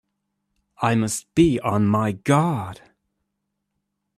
I must be on my guard!